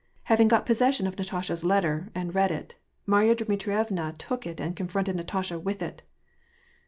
Having got possession of Natasha's letter, and read it, Maiya Dmitrievna took it and confronted Natasha with it.